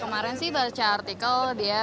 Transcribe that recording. kemarin sih baca artikel